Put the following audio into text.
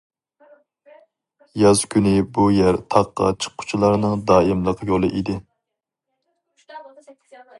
ياز كۈنى بۇ يەر تاغقا چىققۇچىلارنىڭ دائىملىق يولى ئىدى.